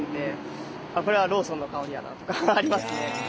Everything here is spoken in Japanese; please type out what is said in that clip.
「これはローソンの香りやな」とかありますね。